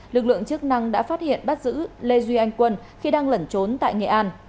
lực lượng chức năng đã phát hiện bắt giữ lê duy anh quân khi đang lẩn trốn tại nghệ an